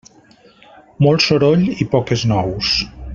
Molt soroll i poques nous.